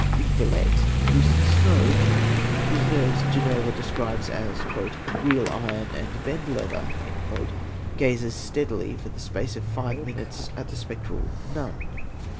In Villette, Lucy Snowe, whose nerves Ginevra describes as "real iron and bend leather," gazes steadily for the space of five minutes at the spectral "nun."